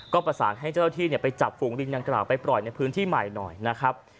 ก็ประสานให้เจ้าที่ไปจับฝูงลิงดังกล่าวไปปล่อยในพื้นที่ใหม่หน่อยนะครับ